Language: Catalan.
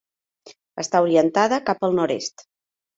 Està orientada cap al nord-est.